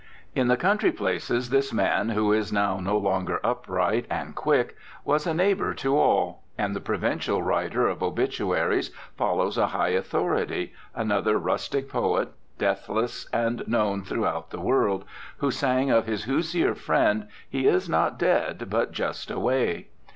In the country places this man who is now no longer upright and quick was a neighbour to all. And the provincial writer of obituaries follows a high authority, another rustic poet, deathless and known throughout the world, who sang of his Hoosier friend "he is not dead but just away."